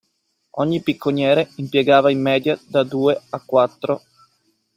Ogni picconiere impiegava in media da due a quattro